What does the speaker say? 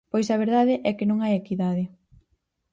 Pois a verdade é que non hai equidade.